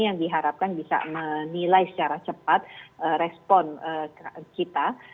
yang diharapkan bisa menilai secara cepat respon kita